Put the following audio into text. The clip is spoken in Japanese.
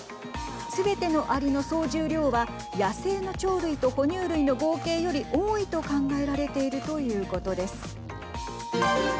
すべてのありの総重量は野生の鳥類と哺乳類の合計より多いと考えられているということです。